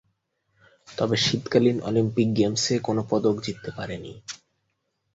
তবে শীতকালীন অলিম্পিক গেমসে কোন পদক জিততে পারেনি।